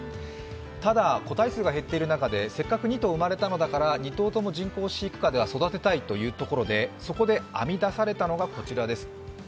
ただ個体数が減っている中でせっかく２頭生まれたのだから２頭とも人工飼育下で育てたいということでそこで編み出されたのがこちらです。